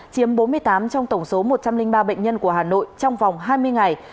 chiếm bốn mươi tám trong tổng số một trăm linh ba bệnh nhân của hà nội trong vòng hai mươi ngày